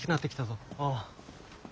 ああ。